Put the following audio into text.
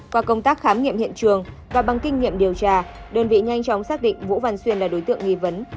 qua công tác khám nghiệm hiện trường và bằng kinh nghiệm điều tra đơn vị nhanh chóng xác định vũ văn xuyên là đối tượng nghi vấn